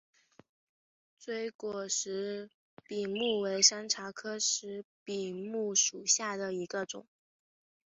锥果石笔木为山茶科石笔木属下的一个种。